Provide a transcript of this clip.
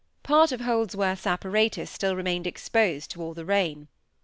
Part of Holdsworth's apparatus still remained exposed to all the rain.